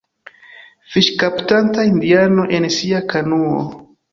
Fiŝkaptanta indiano en sia kanuo.